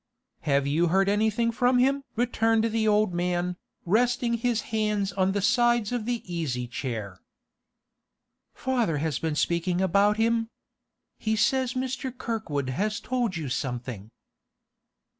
'Have you heard anything from him?' returned the old man, resting his hands on the sides of the easy chair. 'Father has been speaking about him. He says Mr. Kirkwood has told you something.